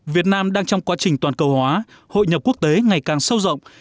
việt nam đang trong quá trình toàn cầu hóa hội nhập quốc tế ngày càng sâu rộng